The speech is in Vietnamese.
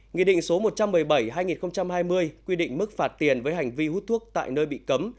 nghị định số một trăm một mươi bảy hai nghìn hai mươi quy định mức phạt tiền với hành vi hút thuốc tại nơi bị cấm